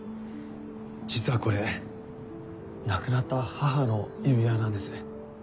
実はこれ亡くなった母の指輪なんです。